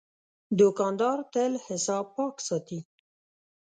دوکاندار تل حساب پاک ساتي.